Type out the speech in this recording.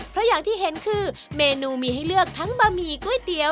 เพราะอย่างที่เห็นคือเมนูมีให้เลือกทั้งบะหมี่ก๋วยเตี๋ยว